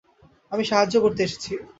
আমি সাহায্য করতে এসেছি।